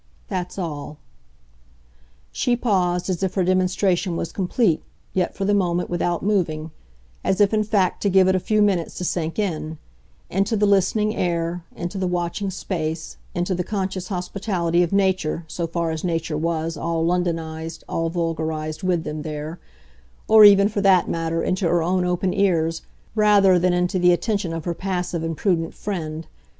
That's all." She paused as if her demonstration was complete yet, for the moment, without moving; as if in fact to give it a few minutes to sink in; into the listening air, into the watching space, into the conscious hospitality of nature, so far as nature was, all Londonised, all vulgarised, with them there; or even, for that matter, into her own open ears, rather than into the attention of her passive and prudent friend.